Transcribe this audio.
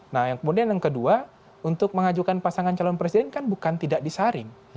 nah yang kemudian yang kedua untuk mengajukan pasangan calon presiden kan bukan tidak disaring